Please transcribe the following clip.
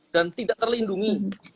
dan tidak terlindungi